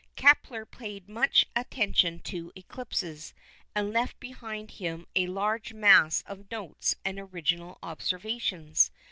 Kepler paid much attention to eclipses, and left behind him a large mass of notes and original observations.